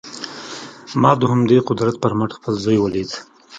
ما د همدې قدرت پر مټ خپل زوی وليد.